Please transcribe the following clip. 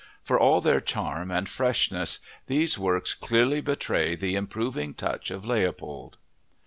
For all their charm and freshness these works clearly betray the improving touch of Leopold.